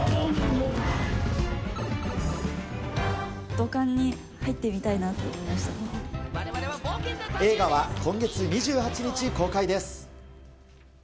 土管に入ってみたいなって思映画は、今月２８日公開です。